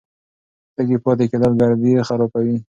تږی پاتې کېدل ګردې خرابوي.